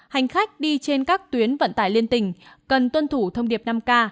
hành khách đi trên các tuyến vận tải liên tỉnh cần tuân thủ thông điệp năm k